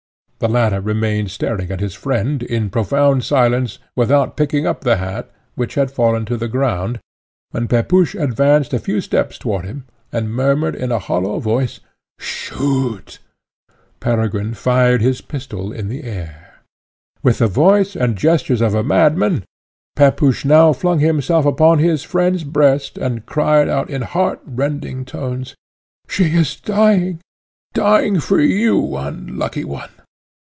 The latter remained staring at his friend, in profound silence, without picking up the hat, which had fallen to the ground, when Pepusch advanced a few steps towards him, and murmured in a hollow voice, "shoot!" Peregrine fired his pistol in the air. With the voice and gestures of a madman, Pepusch now flung himself upon his friend's breast, and cried out, in heart rending tones, "She is dying! dying for you, unlucky one!